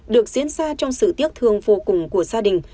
được diễn ra trong sự tiếc thương vô cùng của gia đình